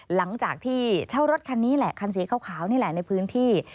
หลังจากที่เช่ารถคันนี้แหละคันสีขาวนี่แหละในพื้นที่